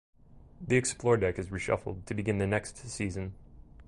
The Explore deck is reshuffled to begin the next season.